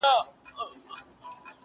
زه په مین سړي پوهېږم!